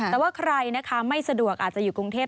แต่ว่าใครนะคะไม่สะดวกอาจจะอยู่กรุงเทพ